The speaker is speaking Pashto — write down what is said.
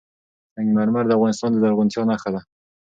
سنگ مرمر د افغانستان د زرغونتیا نښه ده.